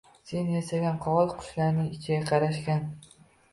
Sen yasagan qog’oz qushlarning ichiga qarashgan